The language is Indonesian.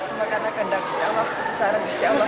semua kandang isti allah